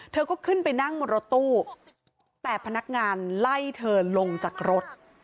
เธอก็ขึ้นไปนั่งบนรถตู้แต่พนักงานไล่เธอลงจากรถ